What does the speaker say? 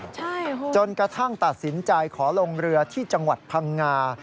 ใช่จนกระทั่งตัดสินใจขอลงเรือที่จังหวัดพังงา